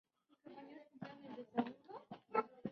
Está formado por seis enclaves separados entre sí.